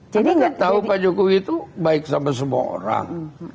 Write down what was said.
jadi gak tau pak jokowi itu baik sama semua orang